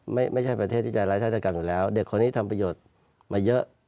ไม่ใช่ประเทศที่จะไร้ฆาตกรรมอยู่แล้วเด็กคนนี้ทำประโยชน์มาเยอะ